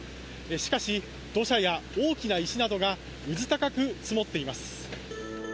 しかし、土砂や大きな石などがうずたかく積もっています。